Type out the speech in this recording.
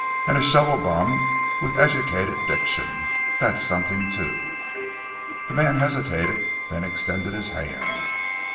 "And a shovel bum with educated diction. That's something, too." The man hesitated, then extended his hand.